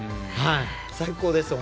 最高です。